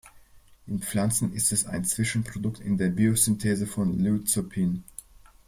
In Pflanzen ist es ein Zwischenprodukt in der Biosynthese von Lycopin.